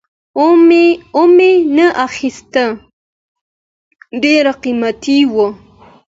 وامې نه خیسته ډېر قیمته وو